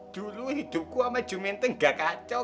dulu hidupku sama jumenteng gak kacau